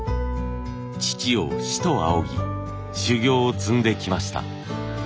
父を師と仰ぎ修業を積んできました。